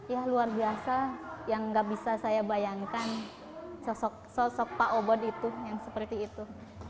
ya luar biasa yang nggak bisa saya bayangkan sosok sosok pak obot itu yang seperti itu